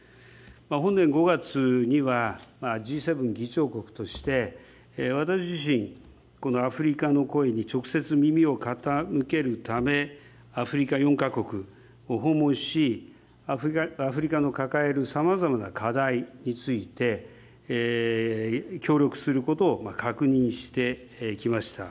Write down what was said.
本年５月にはＧ７議長国として、私自身、このアフリカの声に直接耳を傾けるため、アフリカ４か国を訪問し、アフリカの抱えるさまざまな課題について協力することを確認してきました。